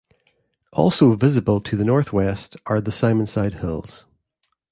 Also visible to the northwest are the Simonside Hills.